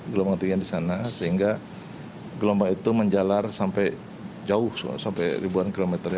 gelombang tingginya di sana sehingga gelombang itu menjalar sampai jauh sampai ribuan kilometer